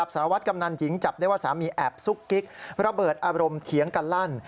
สารวัตรกำนันหญิงจับได้ว่าสามีแอบซุกกิ๊กระเบิดอารมณ์เถียงกันลั่น